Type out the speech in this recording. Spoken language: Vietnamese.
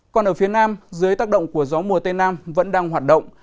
còn ở phía nam dưới tác động của gió mùa tây nam vẫn đang hoạt động